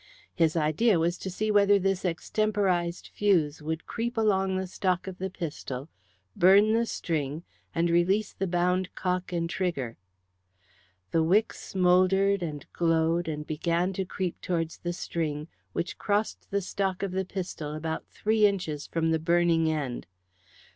His idea was to see whether this extemporized fuse would creep along the stock of the pistol, burn the string, and release the bound cock and trigger. The wick smouldered and glowed, and began to creep towards the string, which crossed the stock of the pistol about three inches from the burning end.